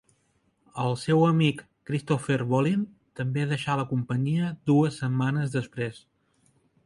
El seu amic Christopher Bolin també deixà la companyia dues setmanes després.